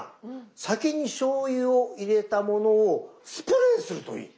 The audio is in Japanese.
酒にしょうゆを入れたものをスプレーするといい。